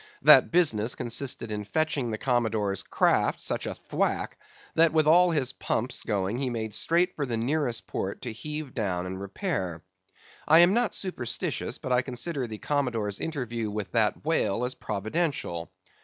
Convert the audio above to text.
That business consisted in fetching the Commodore's craft such a thwack, that with all his pumps going he made straight for the nearest port to heave down and repair. I am not superstitious, but I consider the Commodore's interview with that whale as providential.